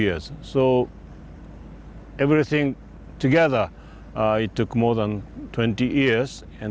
jadi semuanya bersama membutuhkan lebih dari dua puluh tahun